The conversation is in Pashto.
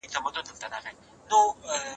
موږ نه غواړو چي د واده مراسم ډير وځنډيږي.